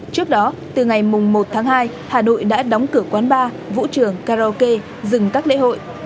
trước đó từ ngày một tháng hai hà nội đã đóng cửa quán bar vũ trường karaoke dừng các lễ hội